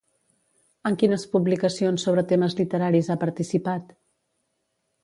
En quines publicacions sobre temes literaris ha participat?